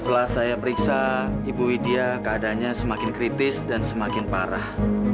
setelah saya periksa ibu widya keadaannya semakin kritis dan semakin parah